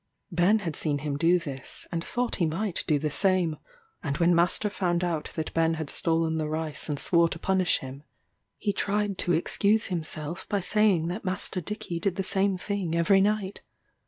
Ben had seen him do this, and thought he might do the same, and when master found out that Ben had stolen the rice and swore to punish him, he tried to excuse himself by saying that Master Dickey did the same thing every night.